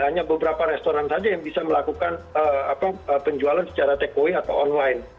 hanya beberapa restoran saja yang bisa melakukan penjualan secara take away atau online